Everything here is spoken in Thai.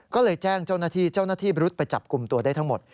ก็เลยแจ้งเจ้าหน้าที่เจ้าหน้าที่รุดไปจับกลุ่มตัวได้ทั้งหมด